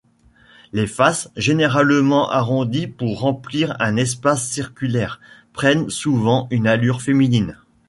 Les faces, généralement arrondies pour remplir un espace circulaire, prennent souvent une allure féminine.